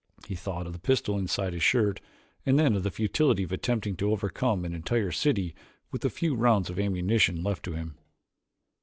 He thought of the pistol inside his shirt and then of the futility of attempting to overcome an entire city with the few rounds of ammunition left to him.